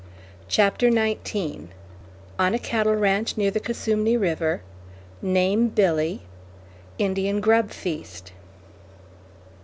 CHAPTER XIX ON A CATTLE RANCH NEAR THE COSUMNE RIVER "NAME BILLY" INDIAN GRUB FEAST.